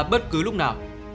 bất cứ lúc nào